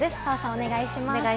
お願いします。